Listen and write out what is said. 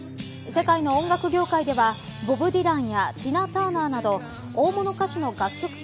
世界の音楽業界ではボブ・ディランやティナ・ターナーなど大物歌手の楽曲